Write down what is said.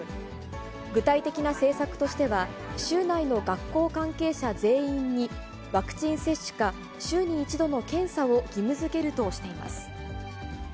具体的な政策としては、州内の学校関係者全員にワクチン接種か、週に１度の検査を義務づけるとしています。